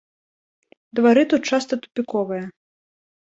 Двары тут часта тупіковыя.